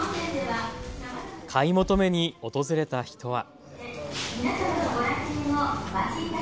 買い求めに訪れた人は。